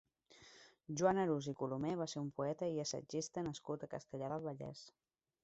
Joan Arús i Colomer va ser un poeta i assagista nascut a Castellar del Vallès.